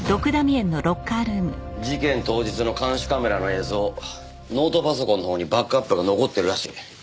事件当日の監視カメラの映像ノートパソコンのほうにバックアップが残ってるらしい。